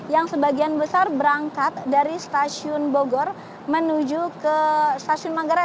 yang sebagian besar berangkat dari stasiun bogor menuju ke stasiun manggarai